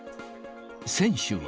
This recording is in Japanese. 選手は。